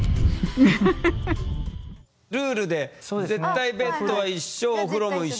ルールで絶対ベッドは一緒お風呂も一緒。